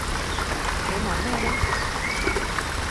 你望咩呢？